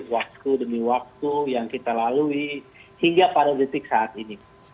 waktu demi waktu yang kita lalui hingga pada detik saat ini